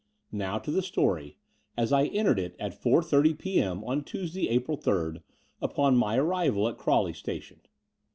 Now to the story, as I entered it at 4.30 p.m. on Tuesday, April 3rd, upon my arrival at Crawley Station.